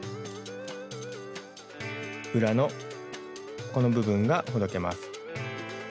裏のこの部分がほどけます。